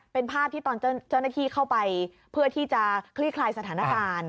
เป็นภาพที่ตอนเจ้าหน้าที่เข้าไปเพื่อที่จะคลี่คลายสถานการณ์